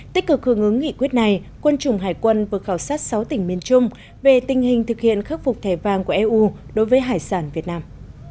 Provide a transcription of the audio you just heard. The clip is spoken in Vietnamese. tích cực hướng ứng nghị quyết này quân chủng hải quân vừa khảo sát sáu tỉnh miền trung về tình hình thực hiện khắc phục thẻ vàng của eu đối với hải sản việt nam